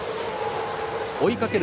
追いかける